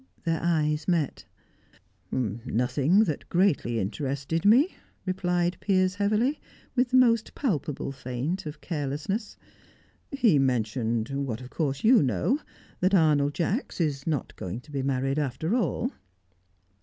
Their eyes met. "Nothing that greatly interested me," replied Piers heavily, with the most palpable feint of carelessness. "He mentioned what of course you know, that Arnold Jacks is not going to be married after all."